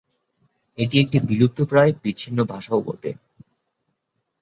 এটি একটি বিলুপ্তপ্রায় বিচ্ছিন্ন ভাষাও বটে।